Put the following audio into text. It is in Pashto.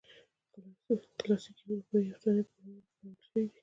کلاسیکي اروپایي افسانې په ناول کې کارول شوي دي.